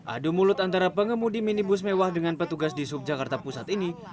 adu mulut antara pengemudi minibus mewah dengan petugas di sub jakarta pusat ini